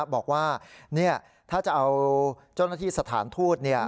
บอกว่าถ้าจะเอาเจ้าหน้าที่สถานทูต